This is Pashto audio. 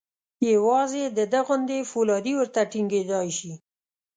یوازې د ده غوندې فولادي ورته ټینګېدای شي.